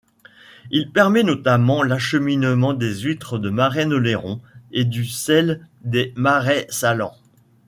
Il permet notamment l'acheminement des huîtres de Marennes-Oléron et du sel des marais salants.